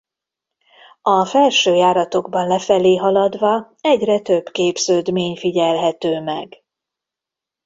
A felső járatokban lefelé haladva egyre több képződmény figyelhető meg.